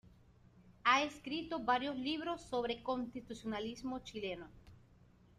Ha escrito varios libros sobre constitucionalismo chileno.